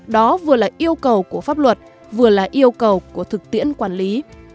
đó vừa là yêu cầu của pháp luật vừa là yêu cầu của thực tiễn quản lý